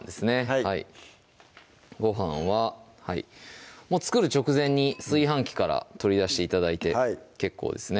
はいご飯は作る直前に炊飯器から取り出して頂いて結構ですね